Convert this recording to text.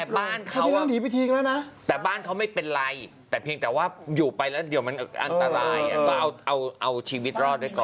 เพราะว่านางจ้างนักระดับเพิ่มเอกชีวิต